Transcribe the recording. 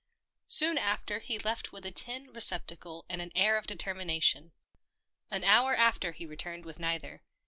Soon after he left with a tin receptacle and an air of determination ; an hour after he returned with neither.